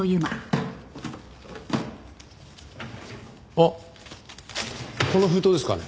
あっこの封筒ですかね？